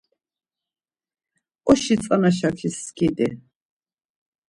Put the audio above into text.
Oşi tzana şakis skidi.